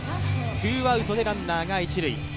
ツーアウトでランナーが一塁。